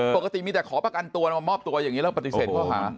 ปกติมีแต่ขอประกันตัวมามอบตัวอย่างนี้แล้วปฏิเสธข้อหา